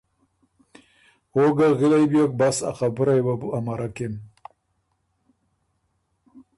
او ګه غِلئ بیوک بس ا خبُرئ یه وه بو امَرَکِن۔